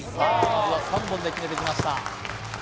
まずは３本で決めてきました